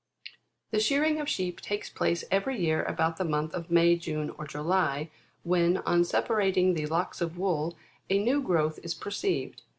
6. The shearing of sheep takes place every year about the month of May, June, or July, when, on separating the locks of wool, a new growth is perceived.